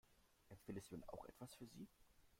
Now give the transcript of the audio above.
Empfindest du denn auch etwas für sie?